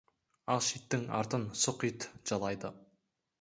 Аш иттің артын сұқ ит жалайды.